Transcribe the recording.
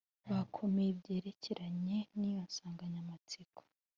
bakomeye byerekeranye n’iyo nsanganyamatsiko.